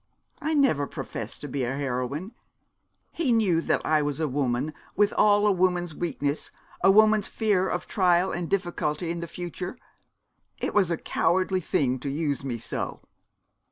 I never professed to be a heroine. He knew that I was a woman, with all a woman's weakness, a woman's fear of trial and difficulty in the future. It was a cowardly thing to use me so.'